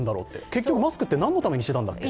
結局、マスクって何のためにしているんだろう。